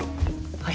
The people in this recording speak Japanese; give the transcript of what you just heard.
はい。